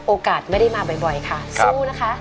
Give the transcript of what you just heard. โอกาสไม่ได้มาบ่อยค่ะสู้นะคะ